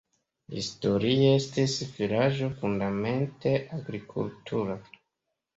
Historie estis vilaĝo fundamente agrikultura.